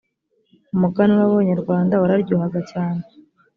umuganura w ‘abanyarwanda wararyohaga cyane.